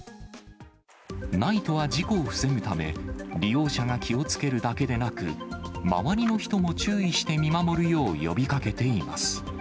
ＮＩＴＥは事故を防ぐため、利用者が気をつけるだけでなく、周りの人も注意して見守るよう呼びかけています。